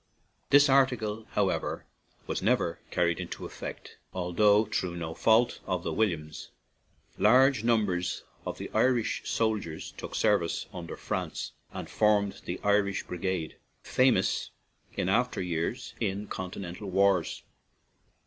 This article, however, was never carried into effect, although through no fault of William's. Large numbers of the Irish soldiers took service under France, and formed the " Irish Bri gade/' famous in after years in conti nental wars.